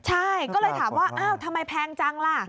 ใช่ก็เลยถามว่าอ้าวทำไมแพงจังล่ะ